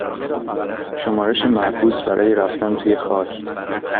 شمارش معکوس برای رفتن توی خاک